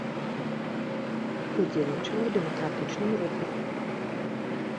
Удзельнічала ў дэмакратычным руху.